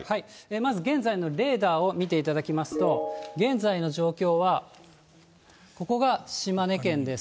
まず現在のレーダーを見ていただきますと、現在の状況は、ここが島根県です。